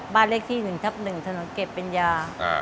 บ้านเลขที่๑ทับ๑ถนนเก็บปัญญา